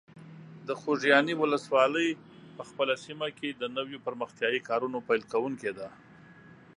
د خوږیاڼي ولسوالۍ په خپله سیمه کې د نویو پرمختیایي کارونو پیل کوونکی ده.